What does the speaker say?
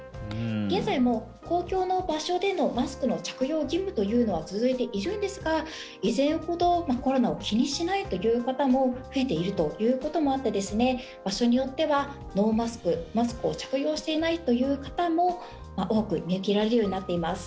現在も公共の場所でのマスクの着用義務というのは続いているんですが、以前ほどコロナを気にしないという方も増えているということもあって場所によってはノーマスクマスクを着用していないという方も多く見受けられるようになっています。